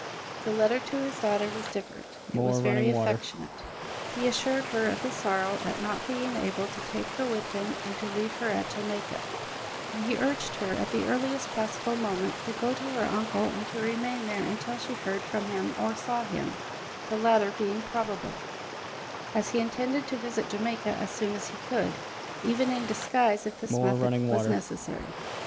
The letter to his daughter was different; it was very affectionate. He assured her of his sorrow at not being able to take her with him and to leave her at Jamaica, and he urged her at the earliest possible moment to go to her uncle and to remain there until she heard from him or saw him the latter being probable, as he intended to visit Jamaica as soon as he could, even in disguise if this method were necessary.